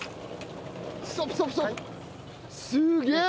すげえ！